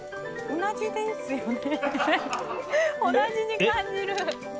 同じに感じる。